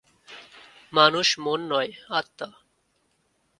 মানুষ মন নয়, আত্মা।